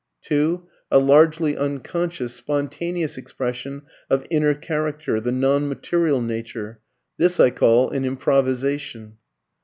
(2) A largely unconscious, spontaneous expression of inner character, the non material nature. This I call an "Improvisation."